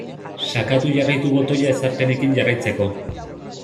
Sakatu jarraitu botoia ezarpenekin jarraitzeko.